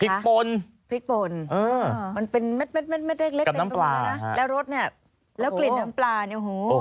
ปนพริกปนมันเป็นเม็ดเล็กเต็มตัวเลยนะแล้วรสเนี่ยแล้วกลิ่นน้ำปลาเนี่ยโห